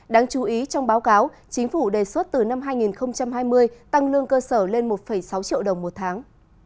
đáng chú ý trong báo cáo chính phủ đề xuất từ năm hai nghìn hai mươi tăng lương cơ sở lên một sáu triệu đồng một tháng